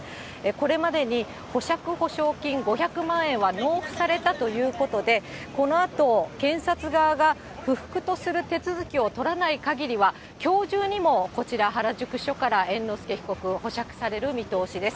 これまでに保釈保証金５００万円は納付されたということで、このあと、検察側が不服とする手続きを取らないかぎりは、きょう中にもこちら、原宿署から猿之助被告、保釈される見通しです。